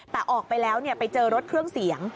แต่ออกไปแล้วไปเจอรถเครื่องเสียง